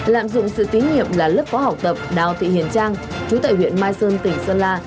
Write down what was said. lạm dụng sự tín nhiệm là lớp phó học tập đào thị hiền trang chú tại huyện mai sơn tỉnh sơn la